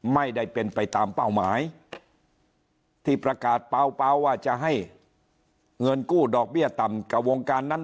ไม่ได้เป็นไปตามเป้าหมายที่ประกาศเปล่าว่าจะให้เงินกู้ดอกเบี้ยต่ำกับวงการนั้น